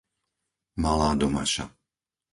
Malá Domaša